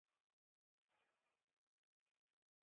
Los centralistas retomaron el poder en Yucatán.